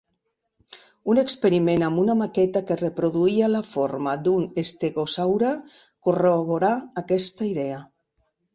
Un experiment amb una maqueta que reproduïa la forma d'un estegosaure corroborà aquesta idea.